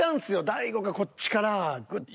大悟がこっちからグッと。